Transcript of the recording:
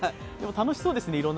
楽しそうですね。